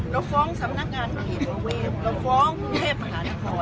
เราฟ้องสำนักงานเขตประเวทเราฟ้องกรุงเทพมหานคร